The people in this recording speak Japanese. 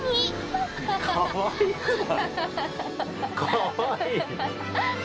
かわいい。